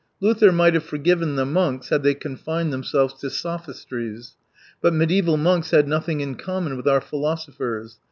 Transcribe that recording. Luther might have forgiven the monks had they confined themselves to sophistries. But mediaeval monks had nothing in common with our philosophers.